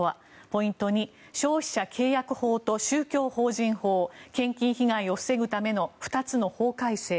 ポイント２消費者契約法と宗教法人法献金被害を防ぐための２つの法改正。